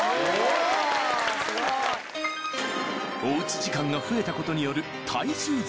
おうち時間が増えたことによる